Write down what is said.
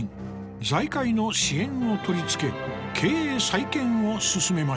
財界の支援を取り付け経営再建を進めました。